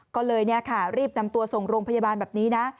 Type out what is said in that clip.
ก็เลยรีบนำตัวส่งโรงพยาบาลแบบนี้นะ